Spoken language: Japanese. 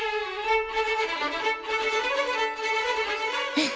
うん！